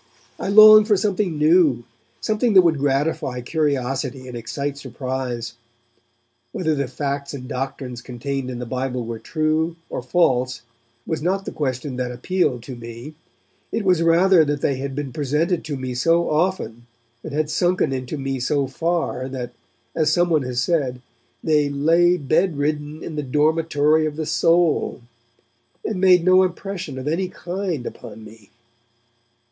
I longed for something new, something that would gratify curiosity and excite surprise. Whether the facts and doctrines contained in the Bible were true or false was not the question that appealed to me; it was rather that they had been presented to me so often and had sunken into me so far that, as someone has said, they 'lay bedridden in the dormitory of the soul', and made no impression of any kind upon me.